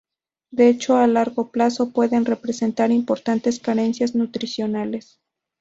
De hecho, a largo plazo pueden presentar importantes carencias nutricionales.